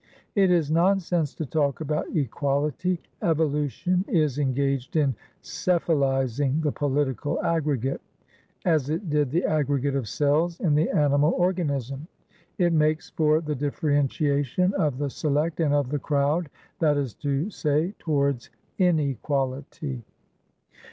It is nonsense to talk about Equality. Evolution is engaged in cephalising the political aggregateas it did the aggregate of cells in the animal organism. It makes for the differentiation of the Select and of the Crowdthat is to say, towards Inequality."